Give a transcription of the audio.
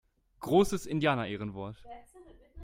Großes Indianerehrenwort!